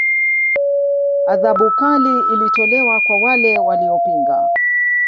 Adhabu kali ilitolewa kwa wale waliopinga